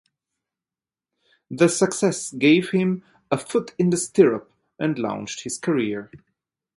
The success gave him "a foot in the stirrup" and launched his career.